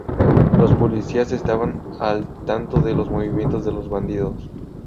Los policías estaban al tanto de los movimientos de los bandidos.